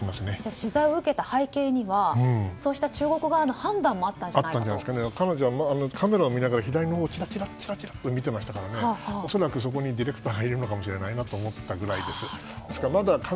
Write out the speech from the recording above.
取材を受けた背景には中国側の判断も彼女はカメラを見ながら左のほうをチラチラ見ていましたから恐らくディレクターがいるのかもしれないと思ったぐらいです。